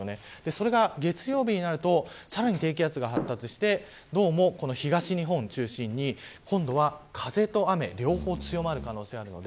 それが、月曜日になるとさらに低気圧が発達してどうも、東日本を中心に今度は風と雨、両方強まる可能性があります。